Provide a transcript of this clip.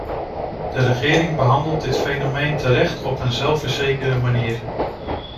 De regering behandelt dit fenomeen terecht op een zelfverzekerde manier.